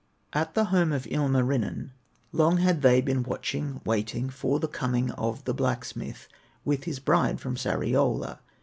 At the home of Ilmarinen Long had they been watching, waiting, For the coming of the blacksmith, With his bride from Sariola.